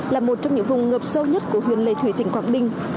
là một trong những vùng ngập sâu nhất của huyền lề thủy tỉnh quảng bình